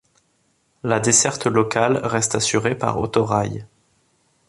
La desserte locale reste assurée par autorail.